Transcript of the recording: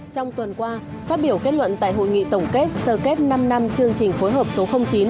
trong tuần qua phát biểu kết luận tại hội nghị tổng kết sơ kết năm năm chương trình phối hợp số chín